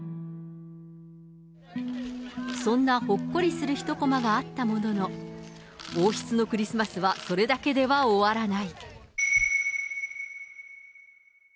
そんなほっこりするひとこまがあったものの、王室のクリスマスはそれだけでは終わらない。